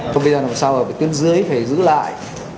không biết là làm sao ở tuyến dưới phải giữ lại